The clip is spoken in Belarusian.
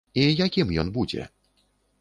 І якім ён будзе?